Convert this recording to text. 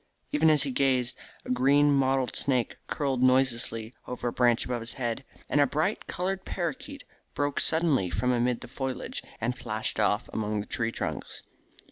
Even as he gazed a green mottled snake curled noiselessly over a branch above his head, and a bright coloured paroquet broke suddenly from amid the foliage and flashed off among the tree trunks.